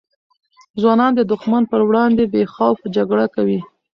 ځوانان د دښمن پر وړاندې بې خوف جګړه کوي.